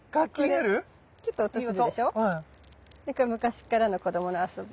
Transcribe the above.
これ昔っからの子どもの遊び。